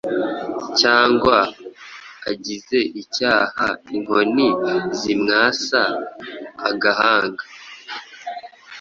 Cyanwa* agize icyaha, inkoni zimwasa agahanga.